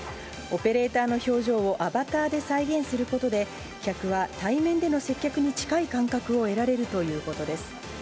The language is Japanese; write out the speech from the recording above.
オペレーターの表情をアバターで再現することで、客は対面での接客に近い感覚を得られるということです。